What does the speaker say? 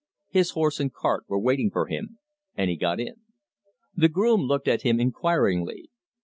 His horse and cart were waiting for him, and he got in. The groom looked at him inquiringly.